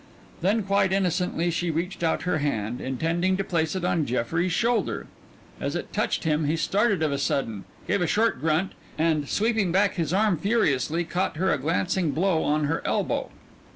Then quite innocently she reached out her hand, intending to place it on Jeffrey's shoulder as it touched him he started of a sudden, gave a short grunt, and, sweeping back his arm furiously, caught her a glancing blow on her elbow.